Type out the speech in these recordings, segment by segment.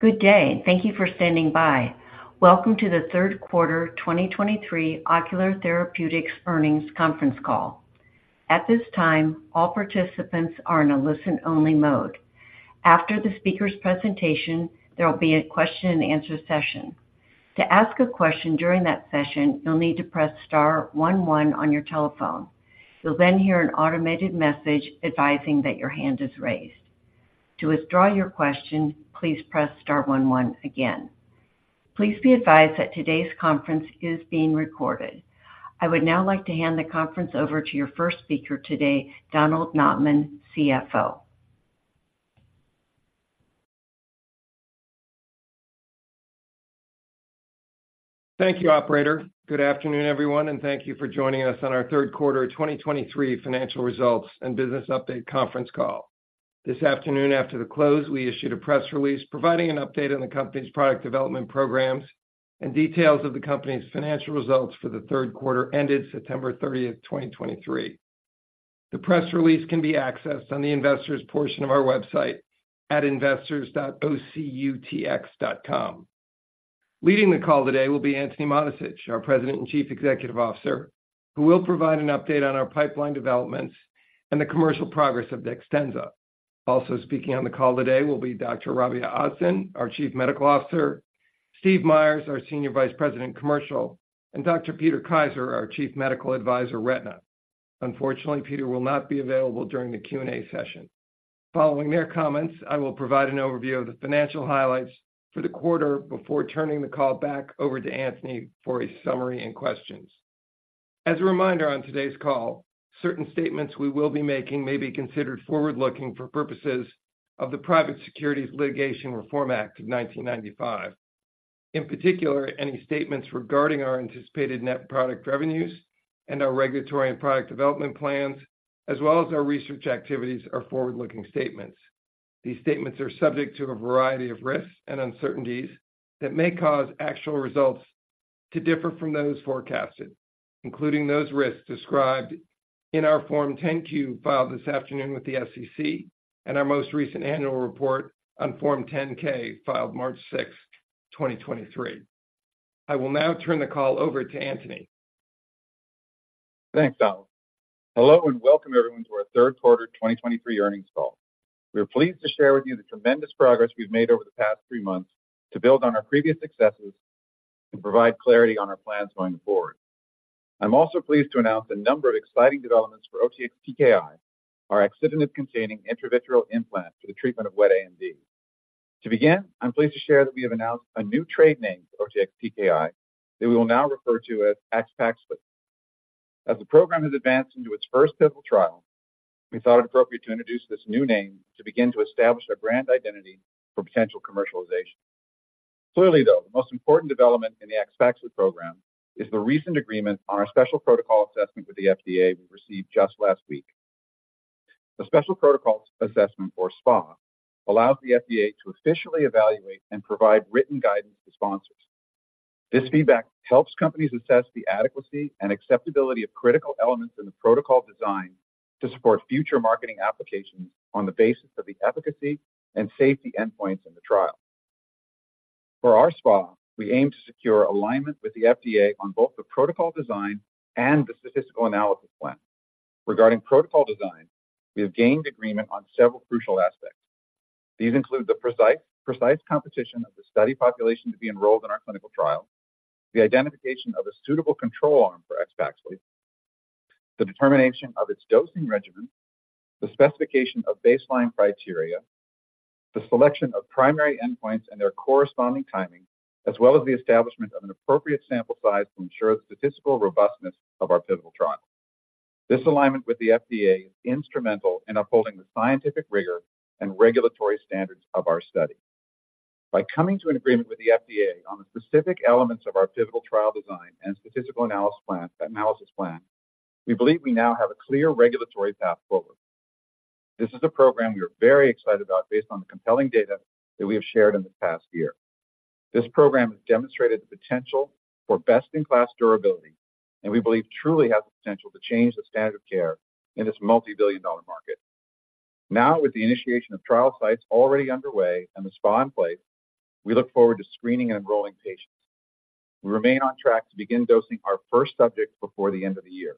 Good day, thank you for standing by. Welcome to the Q3 2023 Ocular Therapeutix earnings conference call. At this time, all participants are in a listen-only mode. After the speaker's presentation, there will be a question and answer session. To ask a question during that session, you'll need to press star one one on your telephone. You'll then hear an automated message advising that your hand is raised. To withdraw your question, please press star one one again. Please be advised that today's conference is being recorded. I would now like to hand the conference over to your speaker today, Donald Notman, CFO. Thank you, operator. Good afternoon, everyone, and thank you for joining on our Q3 2023 financial results and business update conference call. This afternoon, after the close, we issued a press release providing an update on the company's product development programs and details of the company's financial results for the Q3 ended September 30, 2023. The press release can be accessed on the investors portion of our website at investors.ocutx.com. Leading the call today will be Antony Mattessich, our President and Chief Executive Officer, who will provide an update on our pipeline developments and the commercial progress of DEXTENZA. Also speaking on the call today will be Dr. Rabia Ozden, our Chief Medical Officer, Steve Meyers, our Senior Vice President, Commercial, and Dr. Peter Kaiser, our Chief Medical Advisor, Retina. Unfortunately, Peter will not be available during the Q&A session. Following their comments, I will provide an overview of the financial highlights for the quarter before turning the call back over to Antony for a summary and questions. As a reminder, on today's call, certain statements we will be making may be considered forward-looking for purposes of the Private Securities Litigation Reform Act of 1995. In particular, any statements regarding our anticipated net product revenues and our regulatory and product development plans, as well as our research activities, are forward-looking statements. These statements are subject to a variety of risks and uncertainties that may cause actual results to differ from those forecasted, including those risks described in our Form 10-Q filed this afternoon with the SEC and our most recent annual report on Form 10-K, filed March 6, 2023. I will now turn the call over to Antony. Thanks, Donald. Hello, and welcome everyone to our Q3 2023 earnings call. We are pleased to share with you the tremendous progress we've made over the past three months to build on our previous successes and provide clarity on our plans going forward. I'm also pleased to announce a number of exciting developments for OTX-TKI, our excipient-containing intravitreal implant for the treatment of wet AMD. To begin, I'm pleased to share that we have announced a new trade name for OTX-TKI, that we will now refer to as AXPAXLI. As the program has advanced into its first pivotal trial, we thought it appropriate to introduce this new name to begin to establish a brand identity for potential commercialization. Clearly, though, the most important development in the AXPAXLI program is the recent agreement on our Special Protocol Assessment with the FDA we received just last week. The Special Protocol Assessment, or SPA, allows the FDA to officially evaluate and provide written guidance to sponsors. This feedback helps companies assess the adequacy and acceptability of critical elements in the protocol design to support future marketing applications on the basis of the efficacy and safety endpoints in the trial. For our SPA, we aim to secure alignment with the FDA on both the protocol design and the statistical analysis plan. Regarding protocol design, we have gained agreement on several crucial aspects. These include the precise composition of the study population to be enrolled in our clinical trial, the identification of a suitable control arm for AXPAXLI, the determination of its dosing regimen, the specification of baseline criteria, the selection of primary endpoints and their corresponding timing, as well as the establishment of an appropriate sample size to ensure the statistical robustness of our pivotal trial. This alignment with the FDA is instrumental in upholding the scientific rigor and regulatory standards of our study. By coming to an agreement with the FDA on the specific elements of our pivotal trial design and statistical analysis plan, we believe we now have a clear regulatory path forward. This is a program we are very excited about based on the compelling data that we have shared in this past year. This program has demonstrated the potential for best-in-class durability and we believe truly has the potential to change the standard of care in this multi-billion dollar market. Now, with the initiation of trial sites already underway and the SPA in place, we look forward to screening and enrolling patients. We remain on track to begin dosing our first subject before the end of the year.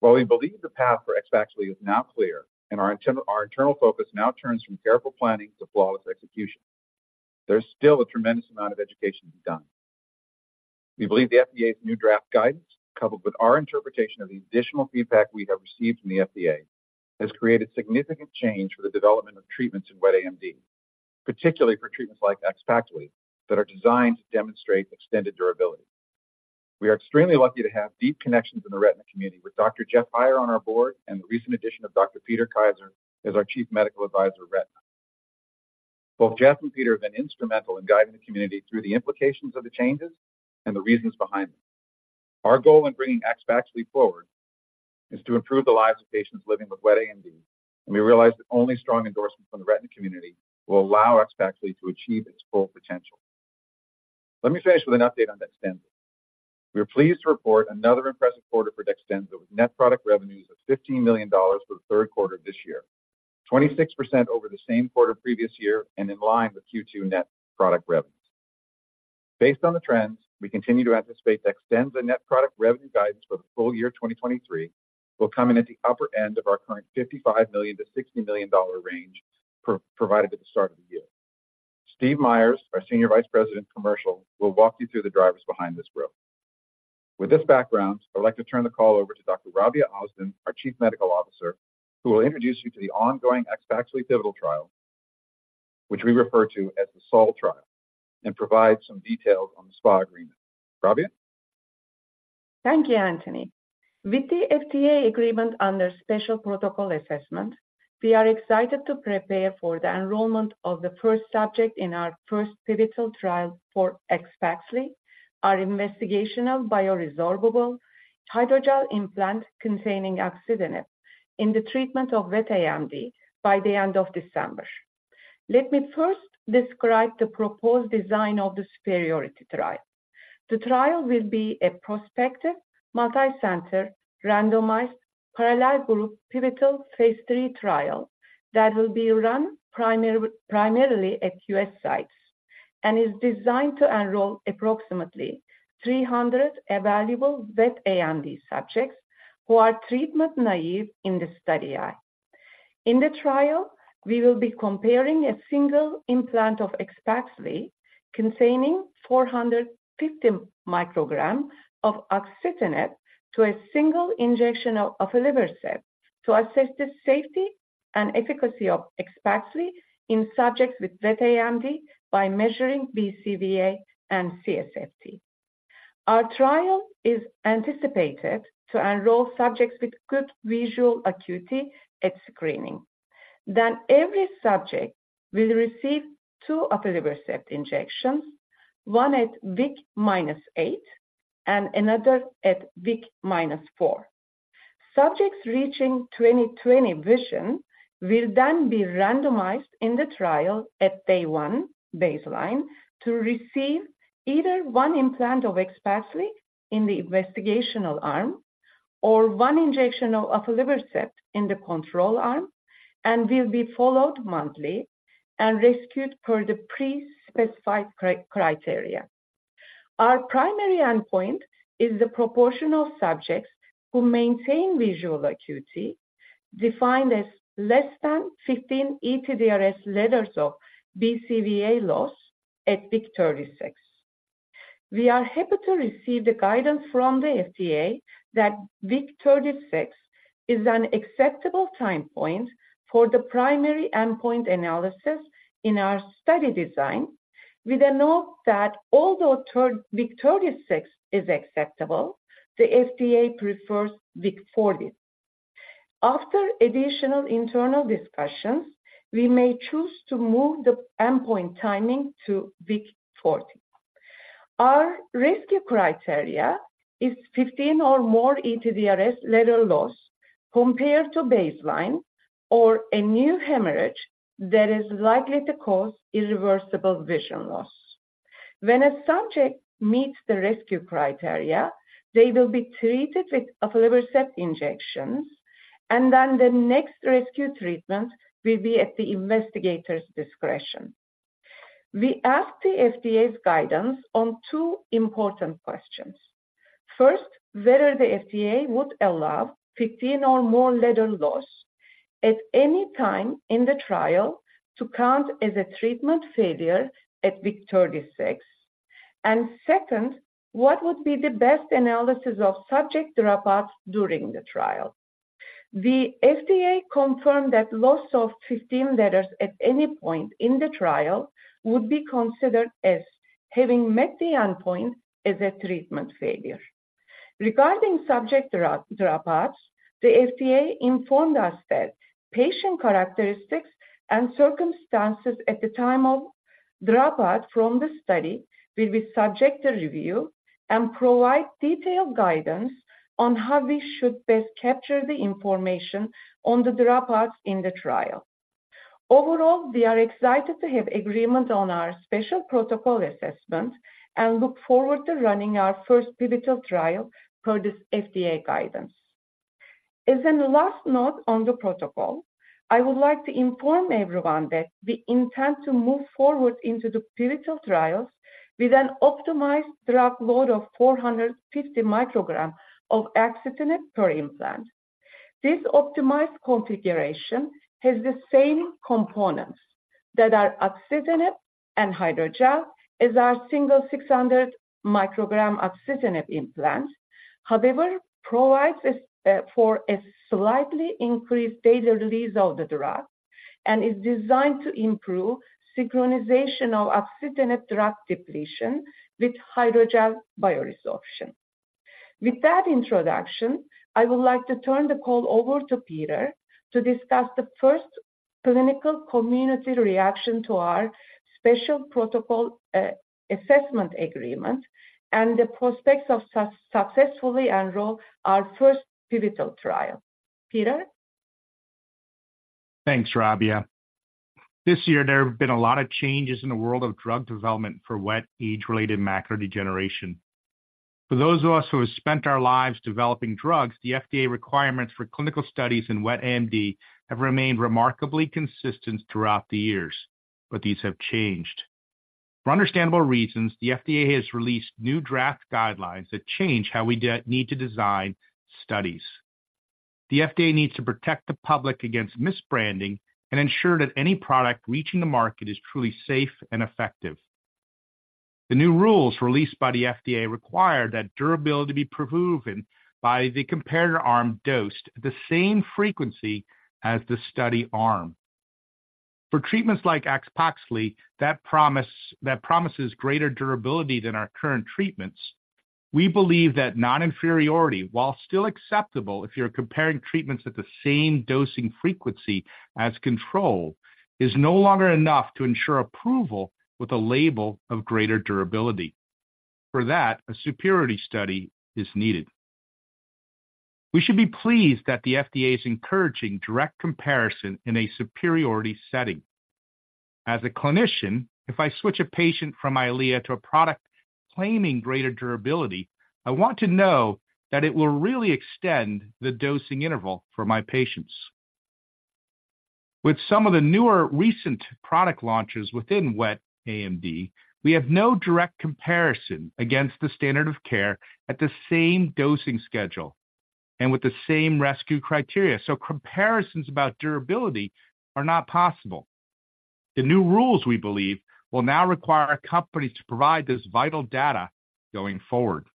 While we believe the path for AXPAXLI is now clear and our internal focus now turns from careful planning to flawless execution, there's still a tremendous amount of education to be done. We believe the FDA's new draft guidance, coupled with our interpretation of the additional feedback we have received from the FDA, has created significant change for the development of treatments in wet AMD, particularly for treatments like AXPAXLI, that are designed to demonstrate extended durability. We are extremely lucky to have deep connections in the retina community with Dr. Jeff Heier on our board and the recent addition of Dr. Peter Kaiser as our Chief Medical Advisor, Retina. Both Jeff and Peter have been instrumental in guiding the community through the implications of the changes and the reasons behind them. Our goal in bringing AXPAXLI forward is to improve the lives of patients living with wet AMD, and we realize that only strong endorsement from the retina community will allow AXPAXLI to achieve its full potential. Let me finish with an update on DEXTENZA. We are pleased to report another impressive quarter for DEXTENZA, with net product revenues of $15 million for the Q4 of this year. 26% over the same quarter previous year, and in line with Q2 net product revenues. Based on the trends, we continue to anticipate DEXTENZA net product revenue guidance for the full year 2023 will come in at the upper end of our current $55 million-$60 million range provided at the start of the year. Steve Myers, our Senior Vice President, Commercial, will walk you through the drivers behind this growth. With this background, I'd like to turn the call over to Dr. Rabia Ozden, our Chief Medical Officer, who will introduce you to the ongoing AXPAXLI pivotal trial, which we refer to as the SOL-1 trial, and provide some details on the SPA agreement. Rabia? Thank you, Antony. With the FDA agreement under Special Protocol Assessment, we are excited to prepare for the enrollment of the first subject in our first pivotal trial for AXPAXLI, our investigational bioresorbable hydrogel implant containing axitinib, in the treatment of wet AMD by the end of December. Let me first describe the proposed design of the superiority trial. The trial will be a prospective, multicenter, randomized, parallel group, pivotal III trial that will be run primarily at U.S. sites, and is designed to enroll approximately 300 evaluable wet AMD subjects who are treatment naive in the study eye. In the trial, we will be comparing a single implant of AXPAXLI containing 450 micrograms of axitinib to a single injection of aflibercept, to assess the safety and efficacy of AXPAXLI in subjects with wet AMD by measuring BCVA and CSFT. Our trial is anticipated to enroll subjects with good visual acuity at screening. Then every subject will receive 2 aflibercept injections, 1 at week -8 and another at week -4. Subjects reaching 20/20 vision will then be randomized in the trial at day 1, baseline, to receive either 1 implant of AXPAXLI in the investigational arm or 1 injection of aflibercept in the control arm, and will be followed monthly and rescued per the pre-specified criteria. Our primary endpoint is the proportion of subjects who maintain visual acuity, defined as less than 15 ETDRS letters of BCVA loss at week 36. We are happy to receive the guidance from the FDA that week 36 is an acceptable time point for the primary endpoint analysis in our study design, with a note that although the week 36 is acceptable, the FDA prefers week 40. After additional internal discussions, we may choose to move the endpoint timing to week 40. Our rescue criteria is 15 or more ETDRS letter loss compared to baseline, or a new hemorrhage that is likely to cause irreversible vision loss. When a subject meets the rescue criteria, they will be treated with aflibercept injections, and then the next rescue treatment will be at the investigator's discretion. We asked the FDA's guidance on two important questions. First, whether the FDA would allow 15 or more letter loss at any time in the trial to count as a treatment failure at week 36. And second, what would be the best analysis of subject dropouts during the trial? The FDA confirmed that loss of 15 letters at any point in the trial would be considered as having met the endpoint as a treatment failure. Regarding subject dropouts, the FDA informed us that patient characteristics and circumstances at the time of dropout from the study will be subject to review, and provide detailed guidance on how we should best capture the information on the dropouts in the trial. Overall, we are excited to have agreement on our Special Protocol Assessment, and look forward to running our first pivotal trial per this FDA guidance. As in the last note on the protocol, I would like to inform everyone that we intend to move forward into the pivotal trials with an optimized drug load of 450 microgram of axitinib per implant. This optimized configuration has the same components that are axitinib and hydrogel as our single 600 microgram axitinib implant. However, provides for a slightly increased daily release of the drug and is designed to improve synchronization of axitinib drug depletion with hydrogel bioresorption. With that introduction, I would like to turn the call over to Peter to discuss the first clinical community reaction to our Special Protocol Assessment agreement and the prospects of successfully enroll our first pivotal trial. Peter? Thanks, Rabia. This year, there have been a lot of changes in the world of drug development for wet age-related macular degeneration. For those of us who have spent our lives developing drugs, the FDA requirements for clinical studies in wet AMD have remained remarkably consistent throughout the years, but these have changed. For understandable reasons, the FDA has released new draft guidelines that change how we need to design studies. The FDA needs to protect the public against misbranding and ensure that any product reaching the market is truly safe and effective. The new rules released by the FDA require that durability be proven by the comparator arm dosed at the same frequency as the study arm. For treatments like AXPAXLI, that promise, that promises greater durability than our current treatments, we believe that non-inferiority, while still acceptable if you're comparing treatments at the same dosing frequency as control, is no longer enough to ensure approval with a label of greater durability. For that, a superiority study is needed. We should be pleased that the FDA is encouraging direct comparison in a superiority setting. As a clinician, if I switch a patient from Eylea to a product claiming greater durability, I want to know that it will really extend the dosing interval for my patients. With some of the newer recent product launches within wet AMD, we have no direct comparison against the standard of care at the same dosing schedule and with the same rescue criteria, so comparisons about durability are not possible. The new rules, we believe, will now require a company to provide this vital data going forward.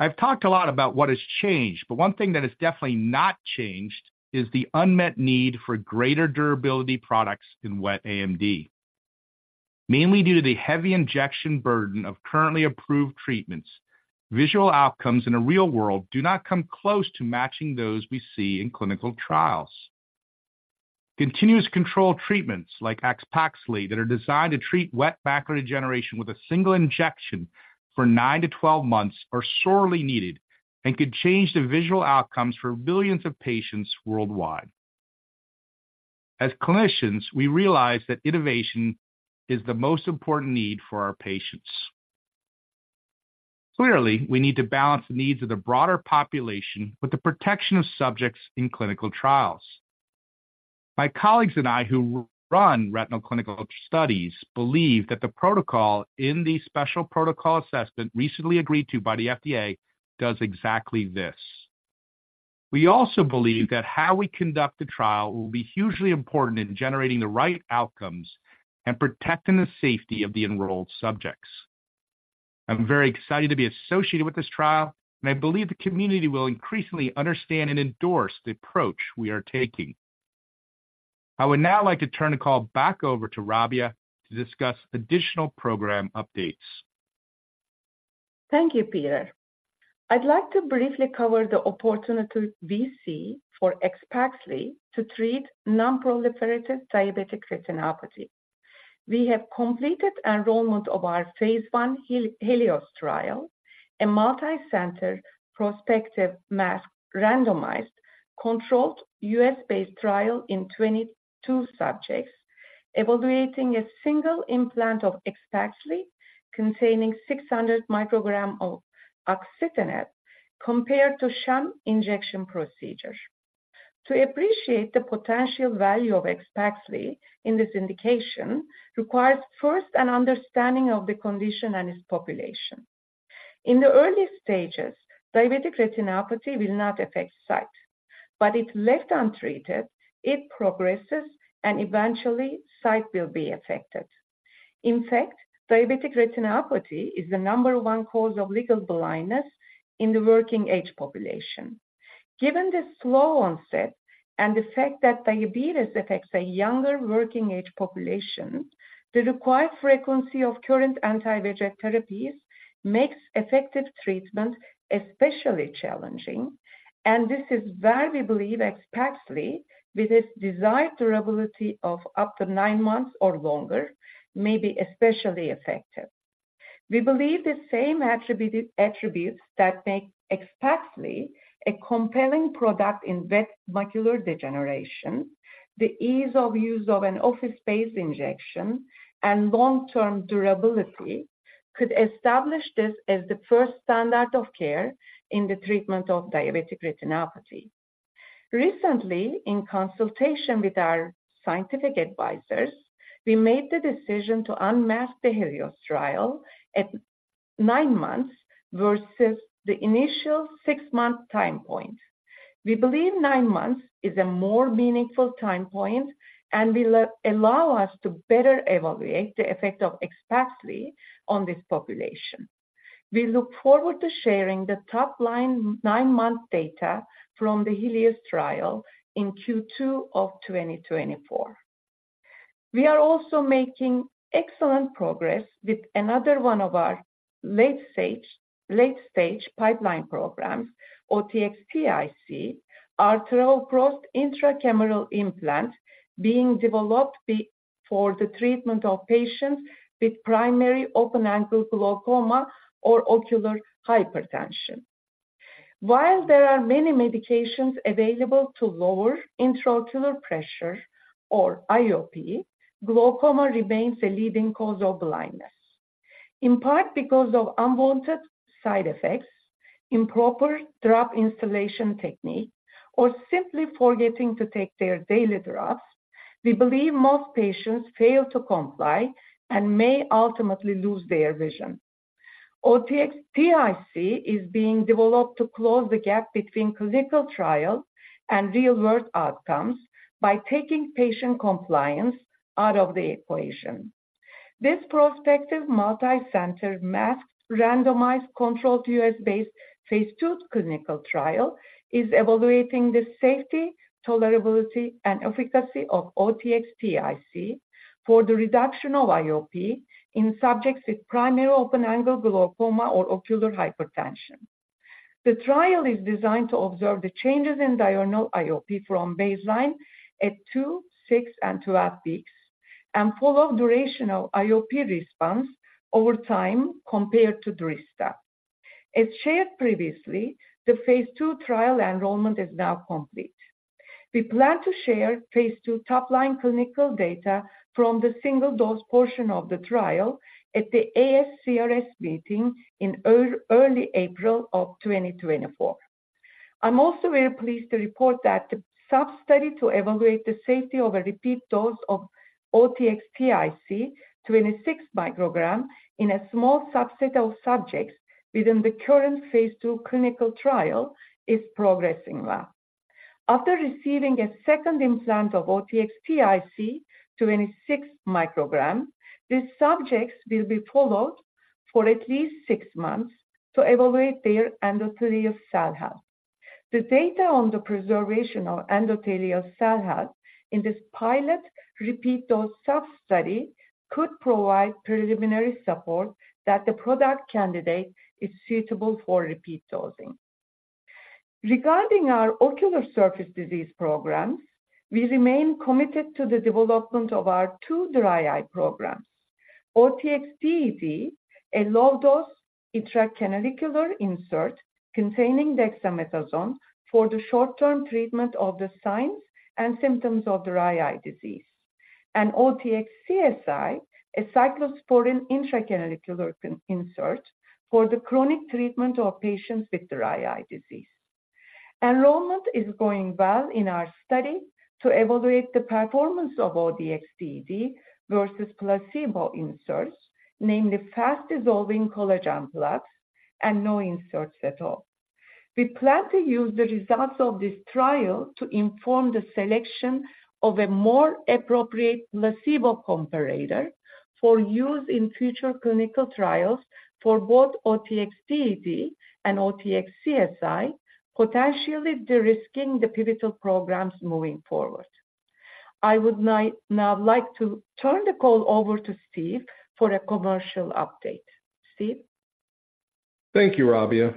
I've talked a lot about what has changed, but one thing that has definitely not changed is the unmet need for greater durability products in wet AMD. Mainly due to the heavy injection burden of currently approved treatments, visual outcomes in a real world do not come close to matching those we see in clinical trials. Continuous control treatments like AXPAXLI, that are designed to treat wet macular degeneration with a single injection for 9-12 months, are sorely needed and could change the visual outcomes for billions of patients worldwide. As clinicians, we realize that innovation is the most important need for our patients. Clearly, we need to balance the needs of the broader population with the protection of subjects in clinical trials. My colleagues and I, who run retinal clinical studies, believe that the protocol in the Special Protocol Assessment recently agreed to by the FDA does exactly this. We also believe that how we conduct the trial will be hugely important in generating the right outcomes and protecting the safety of the enrolled subjects. I'm very excited to be associated with this trial, and I believe the community will increasingly understand and endorse the approach we are taking. I would now like to turn the call back over to Rabia to discuss additional program updates. Thank you, Peter. I'd like to briefly cover the opportunity we see for AXPAXLI to treat non-proliferative diabetic retinopathy. We have completed enrollment of our Phase I HELIOS trial, a multicenter, prospective, masked, randomized, controlled, U.S.-based trial in 22 subjects, evaluating a single implant of AXPAXLI containing 600 microgram of axitinib, compared to sham injection procedure. To appreciate the potential value of AXPAXLI in this indication, requires first an understanding of the condition and its population. In the early stages, diabetic retinopathy will not affect sight, but if left untreated, it progresses and eventually sight will be affected. In fact, diabetic retinopathy is the number one cause of legal blindness in the working-age population. Given this slow onset and the fact that diabetes affects a younger working-age population, the required frequency of current anti-VEGF therapies makes effective treatment especially challenging, and this is why we believe AXPAXLI, with its desired durability of up to nine months or longer, may be especially effective. We believe the same attribute, attributes that make AXPAXLI a compelling product in wet macular degeneration, the ease of use of an office-based injection, and long-term durability, could establish this as the first standard of care in the treatment of diabetic retinopathy. Recently, in consultation with our scientific advisors, we made the decision to unmask the HELIOS trial at nine months versus the initial six-month time point. We believe nine months is a more meaningful time point and will allow us to better evaluate the effect of AXPAXLI on this population. We look forward to sharing the top-line 9-month data from the HELIOS trial in Q2 of 2024. We are also making excellent progress with another one of our late-stage, late-stage pipeline programs, OTX-TIC, travoprost intracameral implant, being developed for the treatment of patients with primary open-angle glaucoma or ocular hypertension. While there are many medications available to lower intraocular pressure, or IOP, glaucoma remains a leading cause of blindness. In part, because of unwanted side effects, improper drop installation technique, or simply forgetting to take their daily drops, we believe most patients fail to comply and may ultimately lose their vision. OTX-TIC is being developed to close the gap between clinical trial and real-world outcomes by taking patient compliance out of the equation. This prospective, multicenter, masked, randomized, controlled, U.S.-based Phase II clinical trial is evaluating the safety, tolerability, and efficacy of OTX-TIC for the reduction of IOP in subjects with primary open-angle glaucoma or ocular hypertension. The trial is designed to observe the changes in diurnal IOP from baseline at 2, 6, and 12 weeks, and follow durational IOP response over time compared to timolol. As shared previously, the Phase II trial enrollment is now complete. We plan to share Phase II top-line clinical data from the single-dose portion of the trial at the ASCRS meeting in early April of 2024. I'm also very pleased to report that the sub-study to evaluate the safety of a repeat dose of OTX-TIC, 26 micrograms, in a small subset of subjects within the current Phase II clinical trial, is progressing well. After receiving a second implant of OTX-TIC, 26 micrograms, these subjects will be followed for at least six months to evaluate their endothelial cell health. The data on the preservation of endothelial cell health in this pilot repeat dose sub-study could provide preliminary support that the product candidate is suitable for repeat dosing. Regarding our ocular surface disease programs, we remain committed to the development of our two dry eye programs. OTX-DED, a low-dose intracanalicular insert containing dexamethasone for the short-term treatment of the signs and symptoms of dry eye disease. And OTX-CSI, a cyclosporine intracanalicular insert for the chronic treatment of patients with dry eye disease. Enrollment is going well in our study to evaluate the performance of OTX-DED versus placebo inserts, namely fast-dissolving collagen plugs and no inserts at all. We plan to use the results of this trial to inform the selection of a more appropriate placebo comparator for use in future clinical trials for both OTX-TED and OTX-CSI, potentially de-risking the pivotal programs moving forward. I would now like to turn the call over to Steve for a commercial update. Steve? Thank you, Rabia.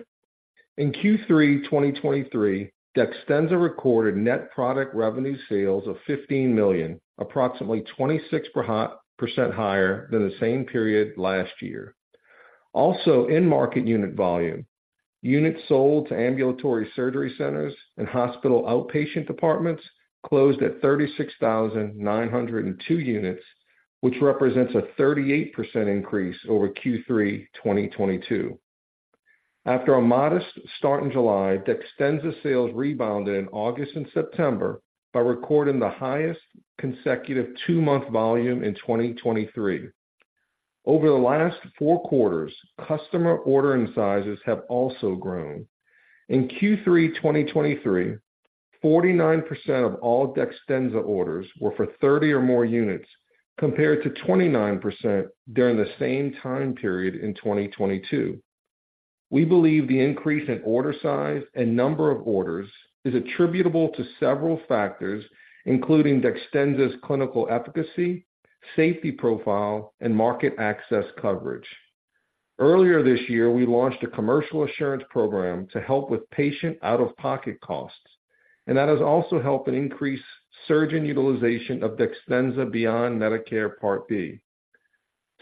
In Q3 2023, DEXTENZA recorded net product revenue sales of $15 million, approximately 26% higher than the same period last year. Also, in-market unit volume, units sold to ambulatory surgery centers and hospital outpatient departments, closed at 36,902 units, which represents a 38% increase over Q3 2022. After a modest start in July, DEXTENZA sales rebounded in August and September by recording the highest consecutive two-month volume in 2023. Over the last Q4, customer ordering sizes have also grown. In Q3 2023, 49% of all DEXTENZA orders were for 30 or more units, compared to 29% during the same time period in 2022. We believe the increase in order size and number of orders is attributable to several factors, including DEXTENZA's clinical efficacy, safety profile, and market access coverage. Earlier this year, we launched a commercial assurance program to help with patient out-of-pocket costs, and that has also helped increase surgeon utilization of DEXTENZA beyond Medicare Part B.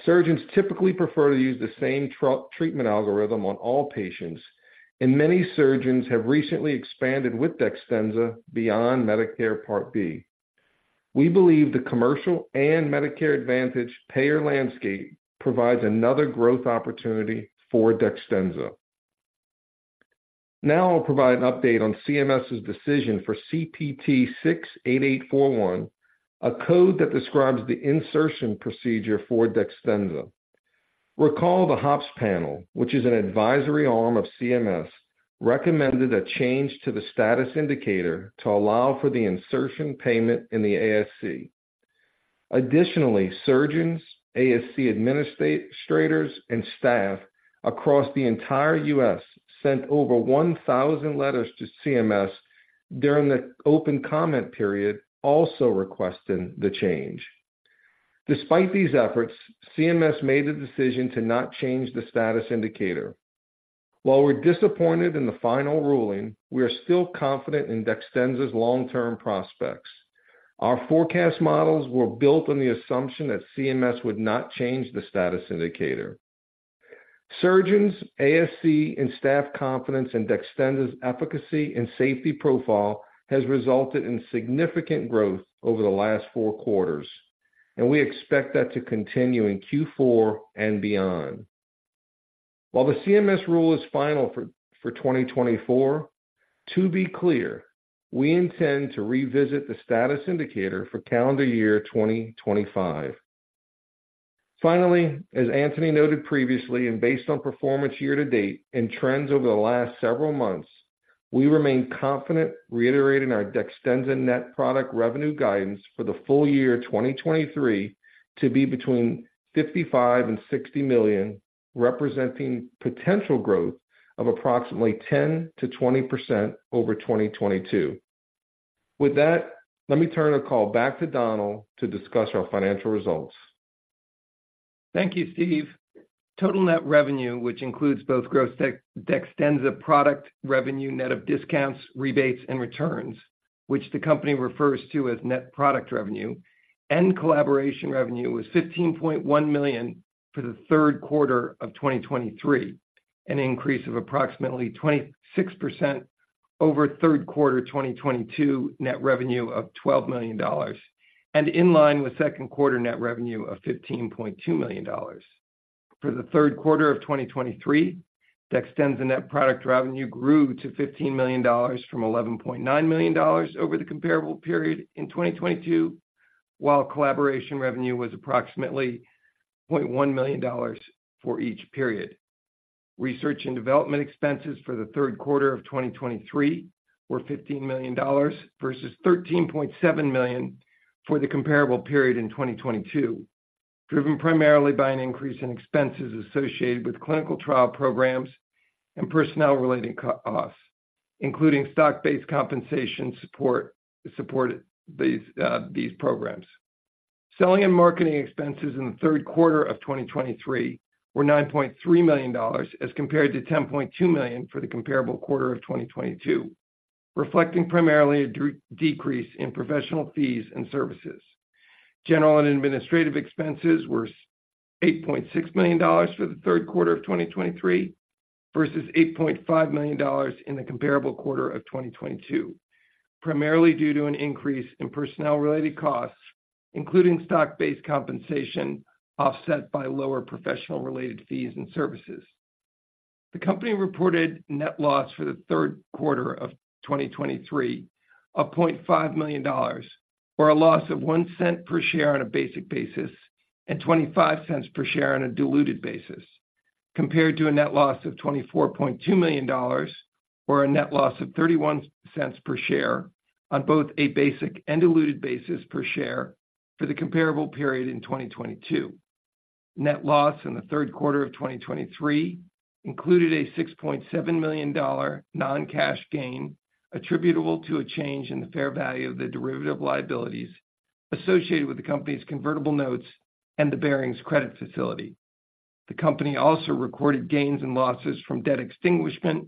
Surgeons typically prefer to use the same treatment algorithm on all patients, and many surgeons have recently expanded with DEXTENZA beyond Medicare Part B. We believe the commercial and Medicare Advantage payer landscape provides another growth opportunity for DEXTENZA. Now I'll provide an update on CMS's decision for CPT 68841, a code that describes the insertion procedure for DEXTENZA. Recall the HOP panel, which is an advisory arm of CMS, recommended a change to the status indicator to allow for the insertion payment in the ASC. Additionally, surgeons, ASC administrators, and staff across the entire U.S. sent over 1,000 letters to CMS during the open comment period, also requesting the change. Despite these efforts, CMS made a decision to not change the status indicator. While we're disappointed in the final ruling, we are still confident in DEXTENZA's long-term prospects. Our forecast models were built on the assumption that CMS would not change the status indicator. Surgeons, ASC, and staff confidence in DEXTENZA's efficacy and safety profile has resulted in significant growth over the last Q4, and we expect that to continue in Q4 and beyond. While the CMS rule is final for 2024, to be clear, we intend to revisit the status indicator for calendar year 2025. Finally, as Antony noted previously, and based on performance year to date and trends over the last several months, we remain confident reiterating our DEXTENZA net product revenue guidance for the full year 2023 to be between $55 million and $60 million, representing potential growth of approximately 10%-20% over 2022. With that, let me turn the call back to Donald to discuss our financial results. Thank you, Steve. Total net revenue, which includes both gross DEXTENZA product revenue, net of discounts, rebates, and returns, which the company refers to as net product revenue, and collaboration revenue, was $15.1 million for the Q3 of 2023. An increase of approximately 26% over Q3 2022 net revenue of $12 million, and in line with Q2 net revenue of $15.2 million. For the Q3 of 2023, DEXTENZA net product revenue grew to $15 million from $11.9 million over the comparable period in 2022, while collaboration revenue was approximately $0.1 million for each period. Research and development expenses for the Q3 of 2023 were $15 million versus $13.7 million for the comparable period in 2022, driven primarily by an increase in expenses associated with clinical trial programs and personnel-related costs, including stock-based compensation to support these programs. Selling and marketing expenses in the Q3 of 2023 were $9.3 million, as compared to $10.2 million for the comparable quarter of 2022, reflecting primarily a decrease in professional fees and services. General and administrative expenses were $8.6 million for the Q3 of 2023, versus $8.5 million in the comparable quarter of 2022. Primarily due to an increase in personnel-related costs, including stock-based compensation, offset by lower professional-related fees and services. The company reported net loss for the Q3 of 2023 of $0.5 million, or a loss of 1 cent per share on a basic basis, and 25 cents per share on a diluted basis, compared to a net loss of $24.2 million, or a net loss of 31 cents per share on both a basic and diluted basis per share for the comparable period in 2022. Net loss in the Q3 of 2023 included a $6.7 million-dollar non-cash gain, attributable to a change in the fair value of the derivative liabilities associated with the company's convertible notes and the Barings credit facility. The company also recorded gains and losses from debt extinguishment,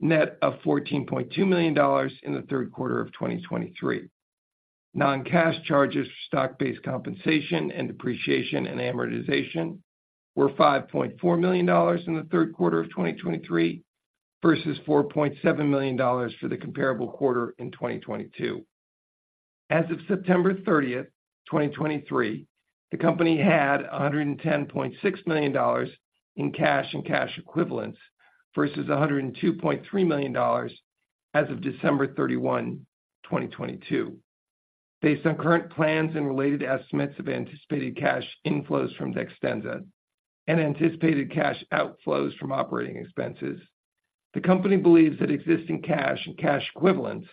net of $14.2 million in the Q3 of 2023. Non-cash charges for stock-based compensation and depreciation and amortization were $5.4 million in the Q3 of 2023, versus $4.7 million for the comparable quarter in 2022. As of September 30, 2023, the company had $110.6 million in cash and cash equivalents, versus $102.3 million as of December 31, 2022. Based on current plans and related estimates of anticipated cash inflows from DEXTENZA and anticipated cash outflows from operating expenses, the company believes that existing cash and cash equivalents,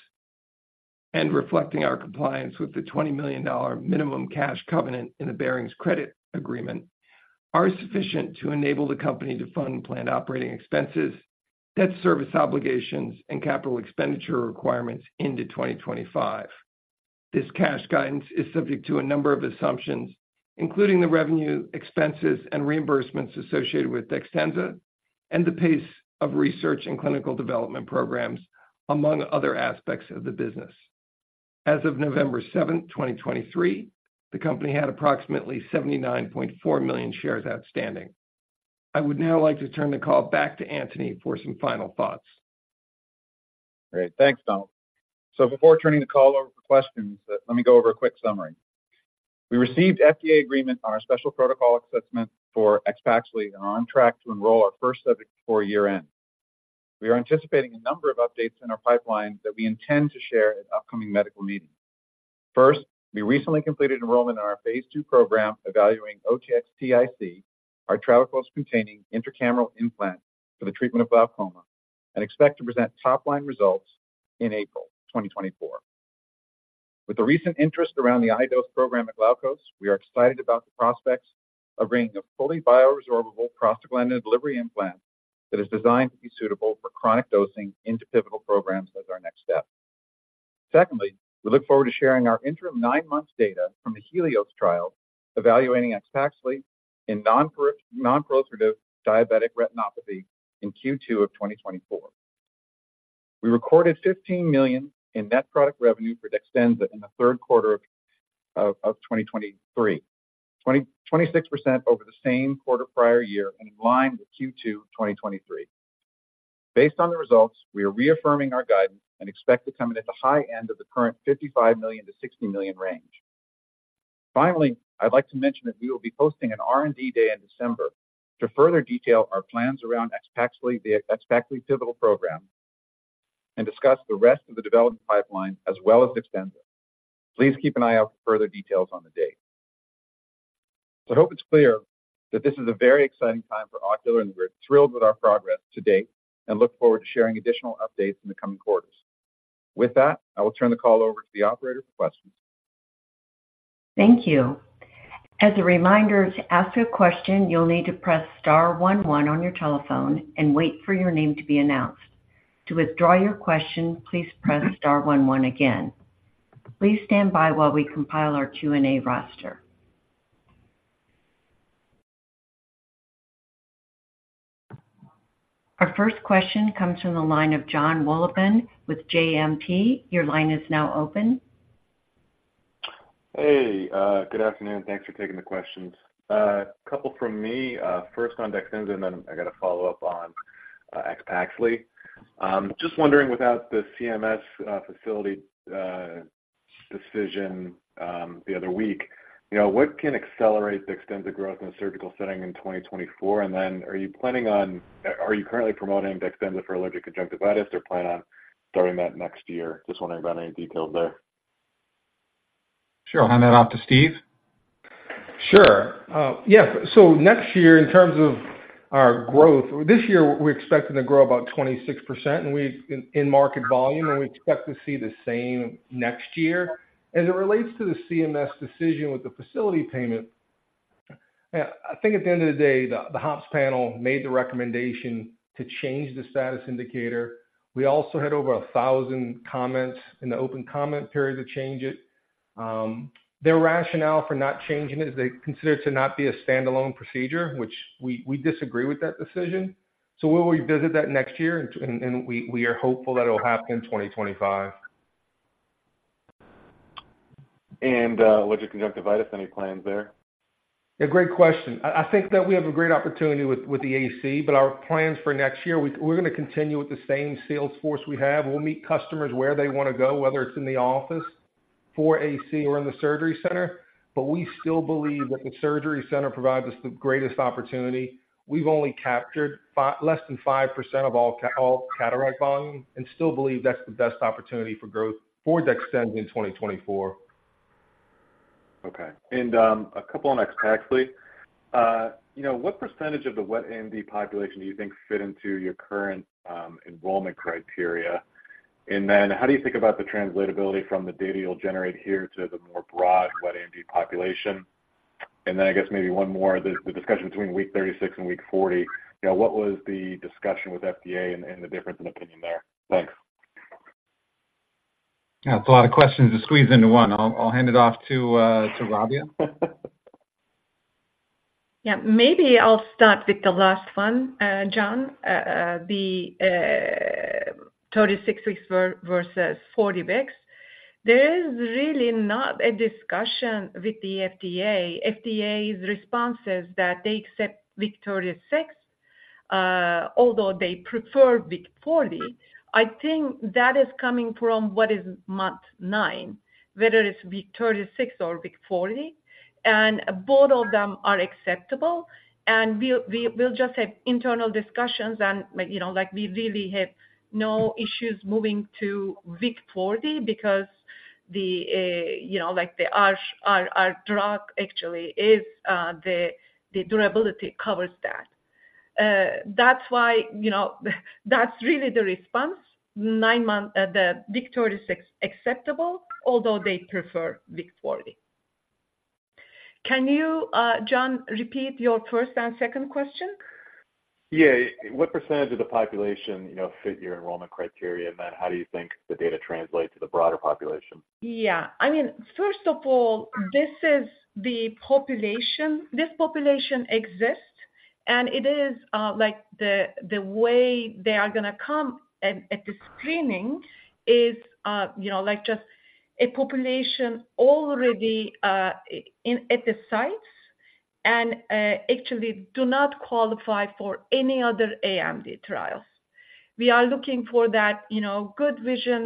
and reflecting our compliance with the $20 million minimum cash covenant in the 's credit agreement, are sufficient to enable the company to fund planned operating expenses, debt service obligations, and capital expenditure requirements into 2025. This cash guidance is subject to a number of assumptions, including the revenue, expenses, and reimbursements associated with DEXTENZA and the pace of research and clinical development programs, among other aspects of the business. As of November 7, 2023, the company had approximately 79.4 million shares outstanding. I would now like to turn the call back to Antony for some final thoughts. Great. Thanks, Donald. So before turning the call over for questions, let me go over a quick summary. We received FDA agreement on our special protocol assessment for AXPAXLI, and are on track to enroll our first subject before year-end. We are anticipating a number of updates in our pipeline that we intend to share at upcoming medical meetings. First, we recently completed enrollment in our Phase II program evaluating OTX-TIC, our travoprost containing intraocular implant for the treatment of glaucoma, and expect to present top-line results in April 2024. With the recent interest around the iDose program at Glaukos, we are excited about the prospects of bringing a fully bioresorbable prostaglandin delivery implant that is designed to be suitable for chronic dosing into pivotal programs as our next step. Secondly, we look forward to sharing our interim 9-month data from the HELIOS trial, evaluating AXPAXLI in non-proliferative diabetic retinopathy in Q2 of 2024. We recorded $15 million in net product revenue for DEXTENZA in the Q3 of 2023. 26% over the same quarter prior year and in line with Q2 2023. Based on the results, we are reaffirming our guidance and expect to come in at the high end of the current $55 million-$60 million range. Finally, I'd like to mention that we will be hosting an R&D day in December to further detail our plans around AXPAXLI, the AXPAXLI pivotal program, and discuss the rest of the development pipeline as well as DEXTENZA. Please keep an eye out for further details on the date. I hope it's clear that this is a very exciting time for Ocular, and we're thrilled with our progress to date and look forward to sharing additional updates in the coming quarters. With that, I will turn the call over to the operator for questions. Thank you. As a reminder, to ask a question, you'll need to press star one one on your telephone and wait for your name to be announced. To withdraw your question, please press star one one again. Please stand by while we compile our Q&A roster. Our first question comes from the line of Jonathan Wolleben with JMP. Your line is now open. Hey, good afternoon. Thanks for taking the questions. A couple from me. First on DEXTENZA, and then I got a follow-up on AXPAXLI. Just wondering, without the CMS facility decision the other week, what can accelerate DEXTENZA growth in the surgical setting in 2024? And then are you planning on... Are you currently promoting DEXTENZA for allergic conjunctivitis or plan on starting that next year? Just wondering about any details there. Sure. I'll hand that off to Steve. Sure. Yes. So next year, in terms of our growth, this year, we're expecting to grow about 26%, and we in market volume, and we expect to see the same next year. As it relates to the CMS decision with the facility payment, I think at the end of the day, the HOPS panel made the recommendation to change the status indicator. We also had over 1,000 comments in the open comment period to change it. Their rationale for not changing it is they consider it to not be a standalone procedure, which we disagree with that decision. So we'll revisit that next year, and we are hopeful that it'll happen in 2025. With your conjunctivitis, any plans there? Yeah, great question. I think that we have a great opportunity with the AC, but our plans for next year, we're going to continue with the same sales force we have. We'll meet customers where they want to go, whether it's in the office for AC or in the surgery center, but we still believe that the surgery center provides us the greatest opportunity. We've only captured less than 5% of all cataract volume and still believe that's the best opportunity for growth for DEXTENZA in 2024. Okay. And, a couple on AXPAXLI. You know, what percentage of the wet AMD population do you think fit into your current enrollment criteria? And then how do you think about the translatability from the data you'll generate here to the more broad wet AMD population? And then I guess maybe one more. The discussion between week 36 and week 40, you know, what was the discussion with FDA and the difference in opinion there? Thanks. Yeah, that's a lot of questions to squeeze into one. I'll hand it off to Rabia. Yeah. Maybe I'll start with the last one, John. The 36 weeks versus 40 weeks. There is really not a discussion with the FDA. FDA's response is that they accept week 36, although they prefer week 40. I think that is coming from what is month nine, whether it's week 36 or week 40, and both of them are acceptable. And we'll just have internal discussions and, you know, like, we really have no issues moving to week 40 because the, like, our drug actually is, the durability covers that. That's why, that's really the response. 9-month, the week 36 acceptable, although they prefer week 40. Can you, John, repeat your first and second question? Yeah. What percentage of the population, fit your enrollment criteria? And then how do you think the data translates to the broader population? Yeah. I mean, first of all, this is the population. This population exists, and it is, like, the way they are going to come at the screening is, like just a population already at the sites and, actually do not qualify for any other AMD trials. We are looking for that, good vision,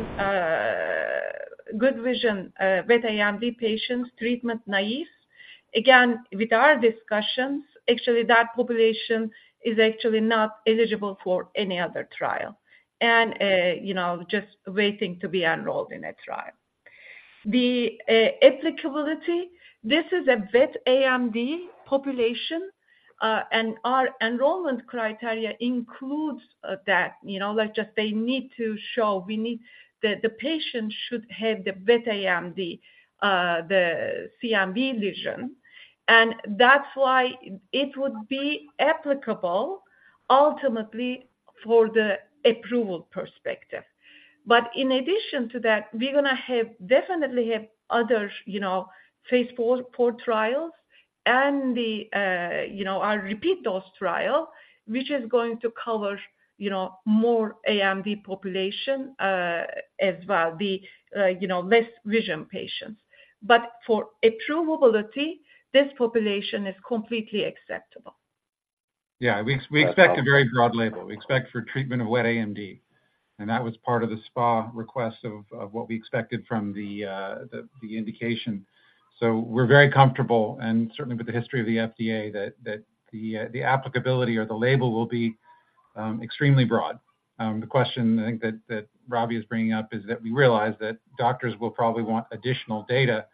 good vision, wet AMD patients, treatment naive. Again, with our discussions, actually, that population is actually not eligible for any other trial and, just waiting to be enrolled in a trial. The applicability, this is a wet AMD population. And our enrollment criteria includes, that, like, just they need to show, we need that the patient should have the wet AMD, the CMB lesion. That's why it would be applicable ultimately for the approval perspective. But in addition to that, we're going to have definitely other, Phase IV trials and the, our repeat dose trial, which is going to cover, more AMD population, as well, the less vision patients. But for approvability, this population is completely acceptable. Yeah, we, we expect a very broad label. We expect for treatment of wet AMD, and that was part of the SPA request of, of what we expected from the, the indication. So we're very comfortable, and certainly with the history of the FDA, that, that the, the applicability or the label will be, extremely broad. The question I think that, that Rabia is bringing up is that we realize that doctors will probably want additional data,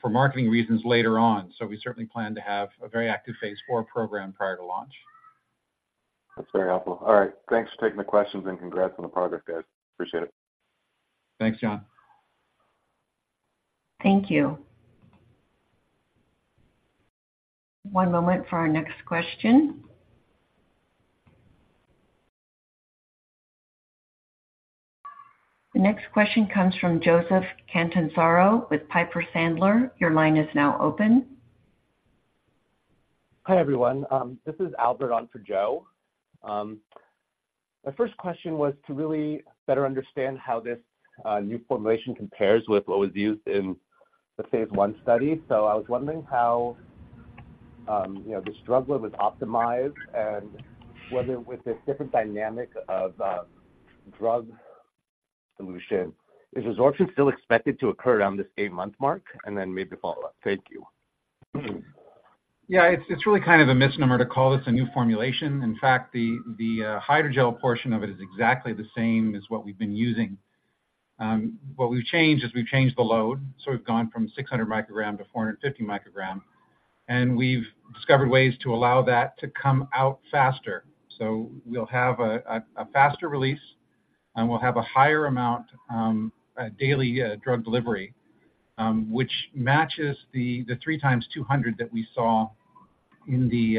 for marketing reasons later on. So we certainly plan to have a very active Phase IV program prior to launch. That's very helpful. All right. Thanks for taking the questions, and congrats on the progress, guys. Appreciate it. Thanks, John. Thank you. One moment for our next question. The next question comes from Joseph Catanzaro with Piper Sandler. Your line is now open. Hi, everyone. This is Albert on for Joe. My first question was to really better understand how this new formulation compares with what was used in the Phase I study. So I was wondering how, this drug load was optimized and whether with this different dynamic of drug solution, is absorption still expected to occur around this 8-month mark? And then maybe follow up. Thank you. Yeah, it's really kind of a misnomer to call this a new formulation. In fact, the hydrogel portion of it is exactly the same as what we've been using. What we've changed is we've changed the load, so we've gone from 600 microgram to 450 microgram, and we've discovered ways to allow that to come out faster. So we'll have a faster release, and we'll have a higher amount daily drug delivery, which matches the 3 times 200 that we saw in the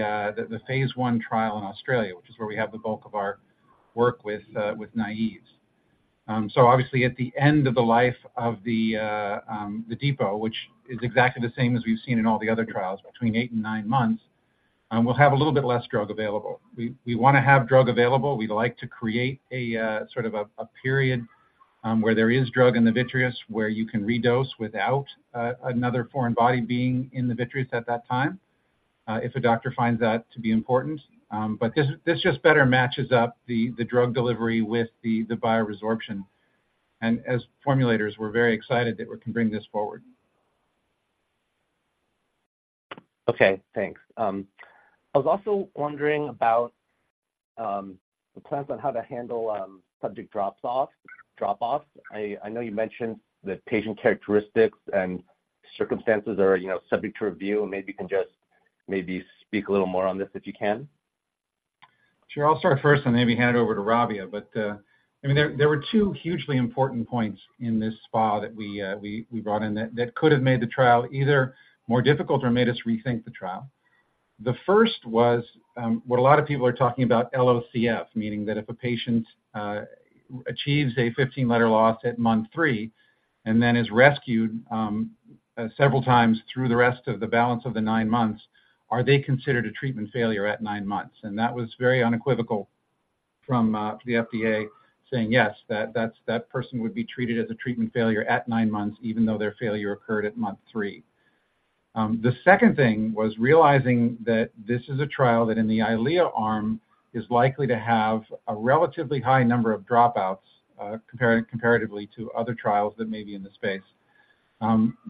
Phase I trial in Australia, which is where we have the bulk of our work with naives. So obviously, at the end of the life of the, the depot, which is exactly the same as we've seen in all the other trials, between eight and nine months, we'll have a little bit less drug available. We, we want to have drug available. We'd like to create a, sort of a, a period, where there is drug in the vitreous, where you can redose without, another foreign body being in the vitreous at that time, if a doctor finds that to be important. But this, this just better matches up the, the drug delivery with the, the bioresorption. And as formulators, we're very excited that we can bring this forward. Okay, thanks. I was also wondering about the plans on how to handle subject drop-offs. I know you mentioned that patient characteristics and circumstances are, subject to review, and maybe you can just speak a little more on this, if you can. Sure. I'll start first and maybe hand it over to Rabia. But, I mean, there were two hugely important points in this SPA that we brought in, that could have made the trial either more difficult or made us rethink the trial. The first was, what a lot of people are talking about, LOCF, meaning that if a patient achieves a 15-letter loss at month 3 and then is rescued several times through the rest of the balance of the 9 months, are they considered a treatment failure at 9 months? That was very unequivocal from the FDA saying, "Yes, that person would be treated as a treatment failure at nine months, even though their failure occurred at month three." The second thing was realizing that this is a trial that in the Eylea arm is likely to have a relatively high number of dropouts, comparatively to other trials that may be in the space.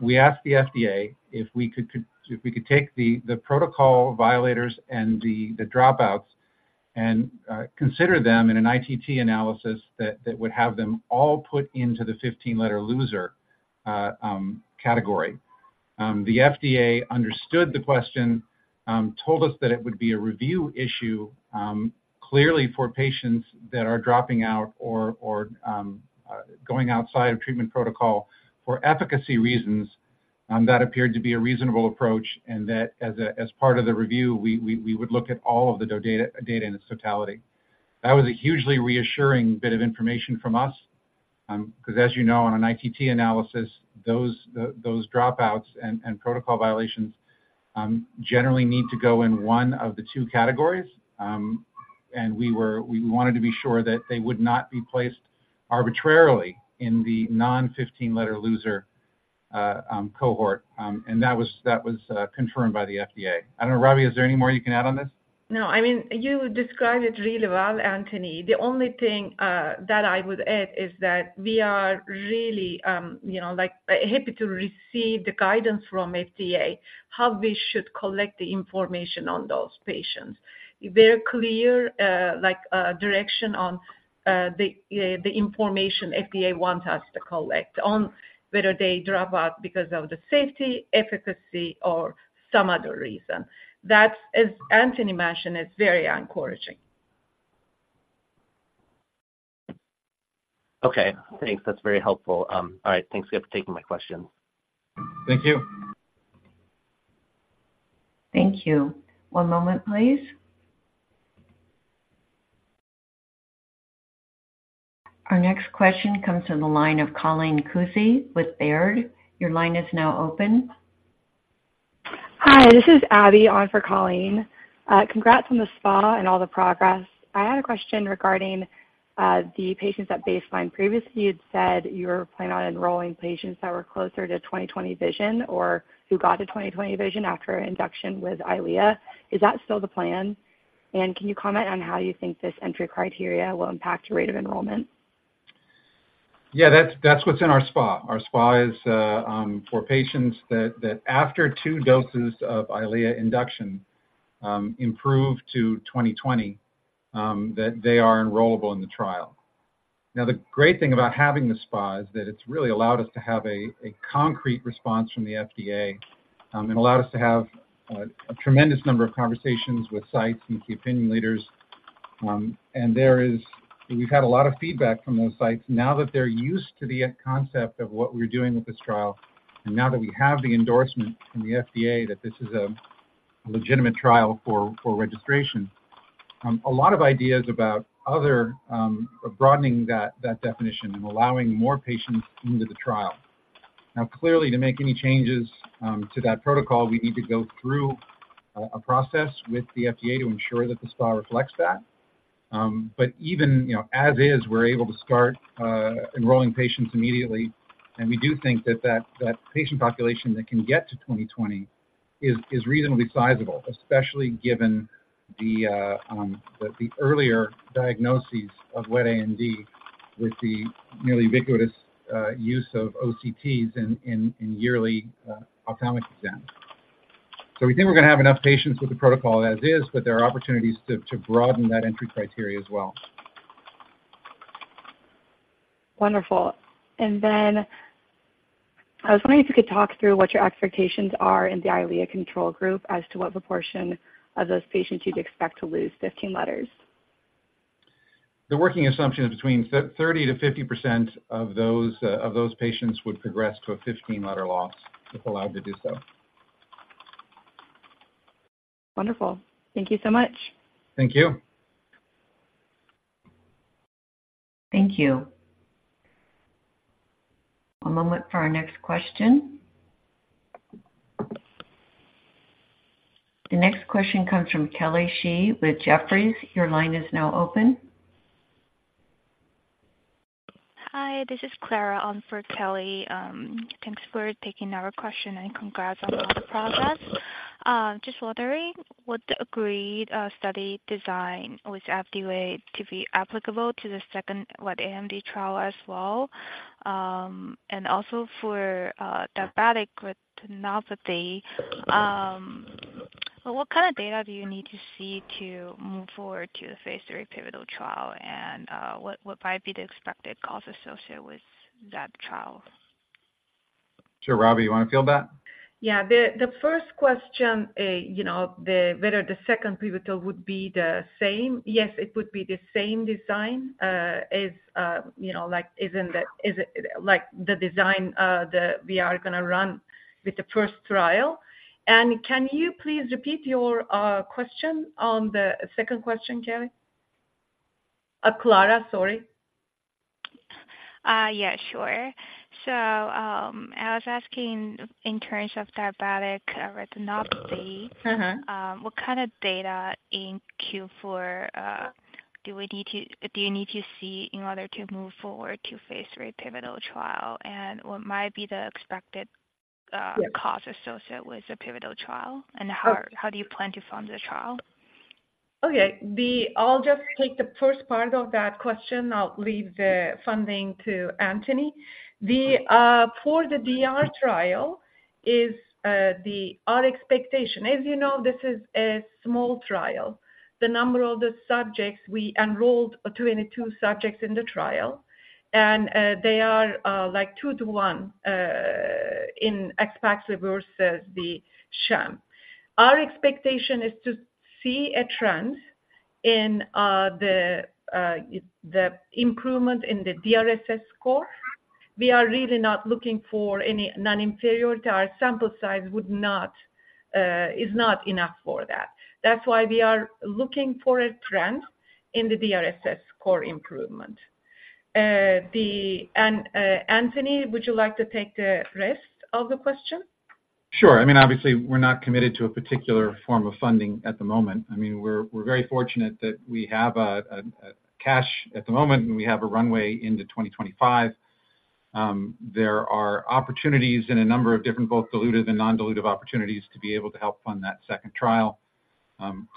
We asked the FDA if we could take the protocol violators and the dropouts and consider them in an ITT analysis that would have them all put into the 15-letter loser category. The FDA understood the question, told us that it would be a review issue, clearly for patients that are dropping out or going outside of treatment protocol for efficacy reasons, that appeared to be a reasonable approach, and that as part of the review, we would look at all of the data in its totality. That was a hugely reassuring bit of information from us, because as on an ITT analysis, those dropouts and protocol violations generally need to go in one of the two categories. And we wanted to be sure that they would not be placed arbitrarily in the non-15-letter loser cohort, and that was confirmed by the FDA. I don't know. Rabia, is there any more you can add on this? No, I mean, you described it really well, Antony. The only thing that I would add is that we are really, like, happy to receive the guidance from FDA, how we should collect the information on those patients. Very clear, like, the information FDA want us to collect on whether they drop out because of the safety, efficacy, or some other reason. That, as Antony mentioned, is very encouraging. Okay, thanks. That's very helpful. All right, thanks again for taking my question. Thank you. Thank you. One moment, please. Our next question comes from the line of Colleen Kusy with Baird. Your line is now open. Hi, this is Abby on for Colleen. Congrats on the SPA and all the progress. I had a question regarding the patients at baseline. Previously, you'd said you were planning on enrolling patients that were closer to 20/20 vision or who got to 20/20 vision after induction with Eylea. Is that still the plan? And can you comment on how you think this entry criteria will impact your rate of enrollment? Yeah, that's what's in our SPA. Our SPA is for patients that after 2 doses of Eylea induction, improve to 20/20, that they are enrollable in the trial. Now, the great thing about having the SPA is that it's really allowed us to have a concrete response from the FDA, and allowed us to have a tremendous number of conversations with sites and key opinion leaders. And there is. We've had a lot of feedback from those sites now that they're used to the concept of what we're doing with this trial, and now that we have the endorsement from the FDA, that this is a legitimate trial for registration. A lot of ideas about other broadening that definition and allowing more patients into the trial. Now, clearly, to make any changes to that protocol, we need to go through a process with the FDA to ensure that the SPA reflects that. But even, as is, we're able to start enrolling patients immediately, and we do think that that patient population that can get to 20/20 is reasonably sizable, especially given the the earlier diagnoses of wet AMD with the nearly ubiquitous use of OCTs in yearly ophthalmic exams. So we think we're going to have enough patients with the protocol as is, but there are opportunities to broaden that entry criteria as well. Wonderful. Then I was wondering if you could talk through what your expectations are in the Eylea control group as to what proportion of those patients you'd expect to lose 15 letters? The working assumption is between 30%-50% of those patients would progress to a 15-letter loss, if allowed to do so. Wonderful. Thank you so much. Thank you. Thank you. One moment for our next question. The next question comes from Kelly Shi with Jefferies. Your line is now open. Hi, this is Clara on for Kelly. Thanks for taking our question, and congrats on all the progress. Just wondering what the agreed study design with FDA to be applicable to the second wet AMD trial as well. And also for diabetic retinopathy, what kind of data do you need to see to move forward to the Phase III pivotal trial? And what might be the expected costs associated with that trial? Sure. Rabia, you want to field that? Yeah. The first question, whether the second pivotal would be the same? Yes, it would be the same design, as, like, isn't the - is it like the design that we are going to run with the first trial. And can you please repeat your question on the second question, Kelly? Clara, sorry. Yeah, sure. So, I was asking in terms of diabetic retinopathy. Mm-hmm. What kind of data in Q4 do you need to see in order to move forward to Phase III pivotal trial? And what might be the expected Yeah. Cost associated with the pivotal trial? How, how do you plan to fund the trial? Okay. I'll just take the first part of that question. I'll leave the funding to Antony. Our expectation for the DR trial. As this is a small trial. The number of the subjects, we enrolled 22 subjects in the trial, and they are like 2 to 1 in AXPAXLI versus the sham. Our expectation is to see a trend in the improvement in the DRSS score. We are really not looking for any non-inferiority. Our sample size is not enough for that. That's why we are looking for a trend in the DRSS score improvement. Antony, would you like to take the rest of the question? Sure. I mean, obviously, we're not committed to a particular form of funding at the moment. I mean, we're very fortunate that we have cash at the moment, and we have a runway into 2025. There are opportunities in a number of different, both dilutive and non-dilutive opportunities to be able to help fund that second trial.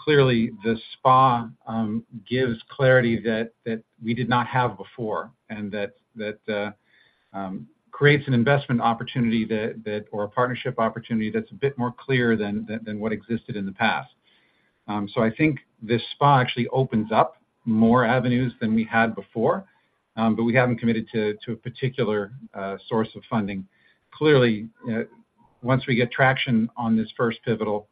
Clearly, the SPA gives clarity that we did not have before, and that creates an investment opportunity or a partnership opportunity that's a bit more clear than what existed in the past. So I think this SPA actually opens up more avenues than we had before, but we haven't committed to a particular source of funding. Clearly, once we get traction on this first pivotal,...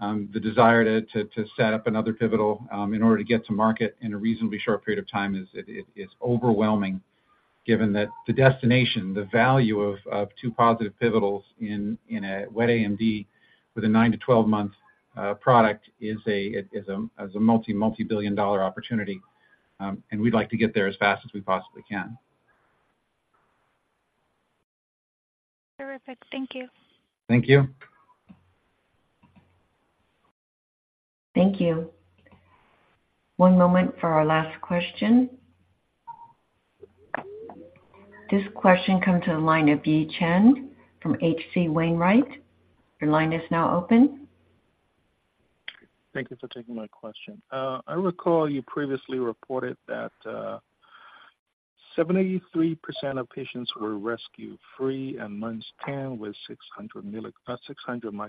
The desire to set up another pivotal in order to get to market in a reasonably short period of time is, it's overwhelming, given that the destination, the value of two positive pivotals in a wet AMD with a 9- to 12-month product is a multi-billion-dollar opportunity. And we'd like to get there as fast as we possibly can. Terrific. Thank you. Thank you. Thank you. One moment for our last question. This question comes to the line of Yi Chen from H.C. Wainwright. Your line is now open. Thank you for taking my question. I recall you previously reported that 73% of patients were rescue-free at month 10 with 600 microgram.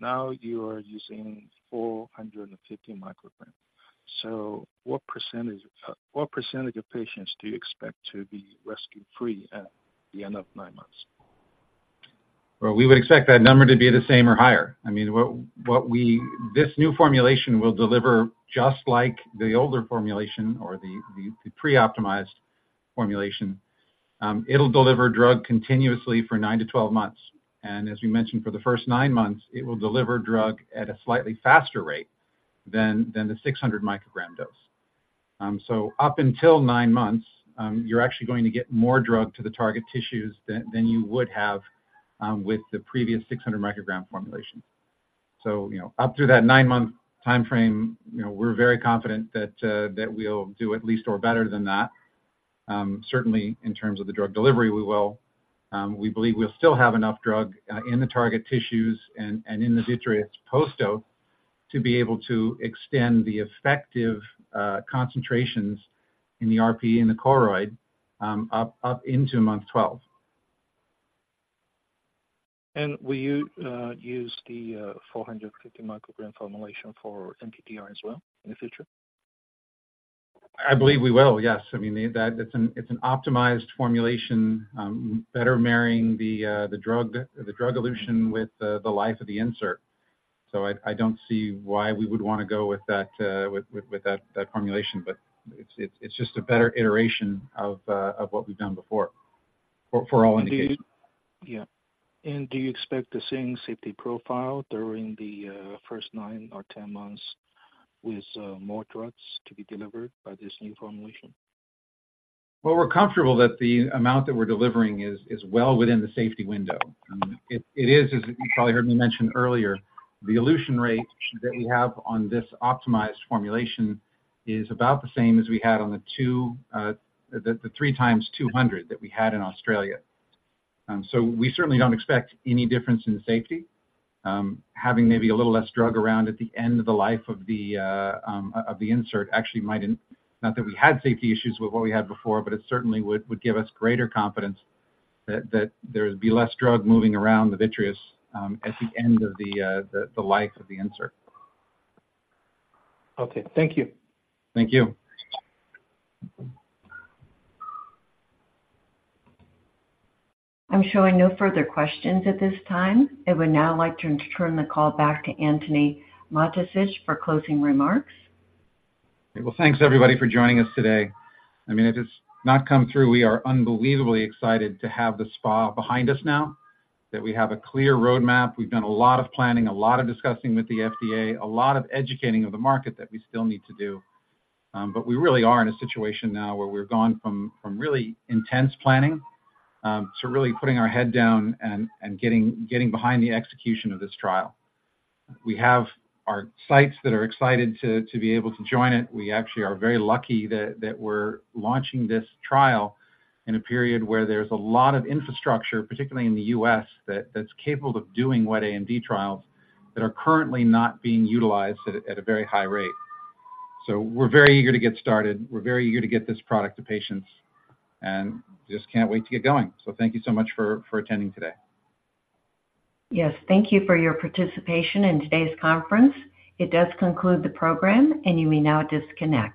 Now you are using 450 microgram. So what percentage of patients do you expect to be rescue-free at the end of 9 months? Well, we would expect that number to be the same or higher. I mean, this new formulation will deliver just like the older formulation or the pre-optimized formulation. It'll deliver drug continuously for 9-12 months, and as we mentioned, for the first 9 months, it will deliver drug at a slightly faster rate than the 600 microgram dose. So up until 9 months, you're actually going to get more drug to the target tissues than you would have with the previous 600 microgram formulation. So, up through that 9-month timeframe, we're very confident that that we'll do at least or better than that. Certainly, in terms of the drug delivery, we will. We believe we'll still have enough drug in the target tissues and in the vitreous post dose to be able to extend the effective concentrations in the RPE and the choroid up into month 12. Will you use the 450 microgram formulation for NPDR as well in the future? I believe we will, yes. I mean, that it's an optimized formulation, better marrying the drug elution with the life of the insert. So I don't see why we would wanna go with that formulation, but it's just a better iteration of what we've done before for all indications. Yeah. And do you expect the same safety profile during the first nine or 10 months with more drugs to be delivered by this new formulation? Well, we're comfortable that the amount that we're delivering is well within the safety window. It is, as you probably heard me mention earlier, the elution rate that we have on this optimized formulation is about the same as we had on the 2, the 3 times 200 that we had in Australia. So we certainly don't expect any difference in safety. Having maybe a little less drug around at the end of the life of the insert actually might. Not that we had safety issues with what we had before, but it certainly would give us greater confidence that there would be less drug moving around the vitreous at the end of the life of the insert. Okay. Thank you. Thank you. I'm showing no further questions at this time. I would now like to turn the call back to Antony Mattessich for closing remarks. Well, thanks, everybody, for joining us today. I mean, if it's not come through, we are unbelievably excited to have the SPA behind us now that we have a clear roadmap. We've done a lot of planning, a lot of discussing with the FDA, a lot of educating of the market that we still need to do. But we really are in a situation now where we've gone from really intense planning to really putting our head down and getting behind the execution of this trial. We have our sites that are excited to be able to join it. We actually are very lucky that we're launching this trial in a period where there's a lot of infrastructure, particularly in the U.S., that's capable of doing wet AMD trials that are currently not being utilized at a very high rate. We're very eager to get started. We're very eager to get this product to patients, and just can't wait to get going. Thank you so much for attending today. Yes, thank you for your participation in today's conference. It does conclude the program, and you may now disconnect.